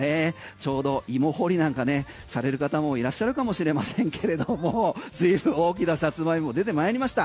ちょうど芋掘りなんかねされる方もいらっしゃるかもしれませんけれどもずいぶん大きなサツマイモ出てまいりました。